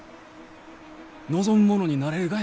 望む者になれるがやき！